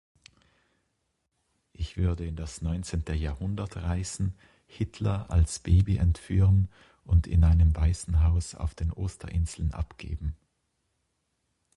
Ich würde in das neunzehnte Jahrhundert reisen, Hitler als Baby entführen und in einem Waisenhaus auf den Osterinseln abgeben.